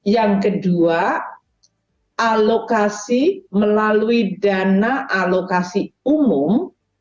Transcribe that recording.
yang kedua alokasi melalui dana alokasi umum